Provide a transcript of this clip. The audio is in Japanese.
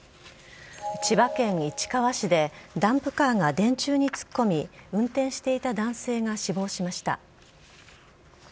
千葉県市川市でダンプカーが電柱に突っ込み、運転していた男性が死亡しました。